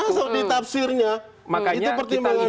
masuk di tafsirnya itu pertimbangan dukung